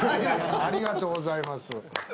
ありがとうございます。